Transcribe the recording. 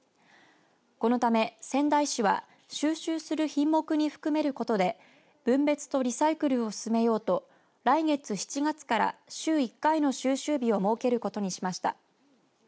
このため、仙台市は収集する品目に含めることで分別とリサイクルを進めようと来月７月から週１回の収集日を設けることにしました。